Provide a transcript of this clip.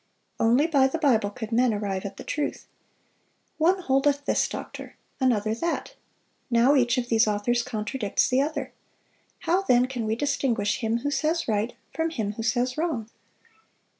Only by the Bible could men arrive at the truth. "One holdeth this doctor, another that.... Now each of these authors contradicts the other. How then can we distinguish him who says right from him who says wrong?...